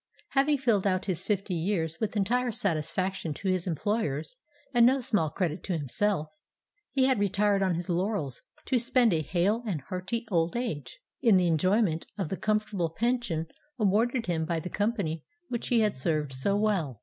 Having filled out his fifty years with entire satisfaction to his employers and no small credit to himself, he had retired on his laurels to spend a hale and hearty old age, in the enjoyment of the comfortable pension awarded him by the company which he had served so well.